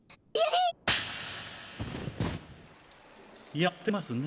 やってますね。